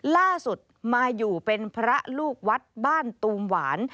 ล่าสุดมาอยู่เป็นพระลูกวัดบ้านตูมหวาน